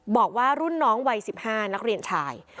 บอกว่ารุ่นน้องวัย๑๕นักเรียนชาย